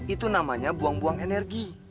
itu namanya buang buang energi